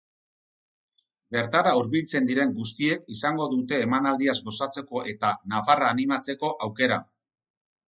Bertara hurbiltzen diren guztiek izango dute emanaldiaz gozatzeko eta nafarra animatzeko aukera.